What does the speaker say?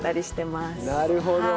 なるほど。